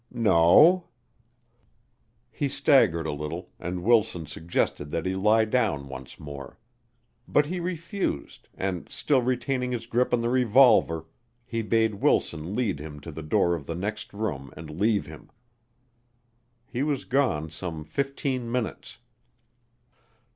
"No." He staggered a little and Wilson suggested that he lie down once more. But he refused and, still retaining his grip on the revolver, he bade Wilson lead him to the door of the next room and leave him. He was gone some fifteen minutes.